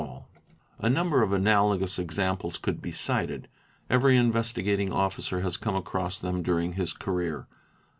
| KNOWLEDGE OF MEN 29 A number of analogous examples could be cited; every Investigating q Officer has come across them during his career.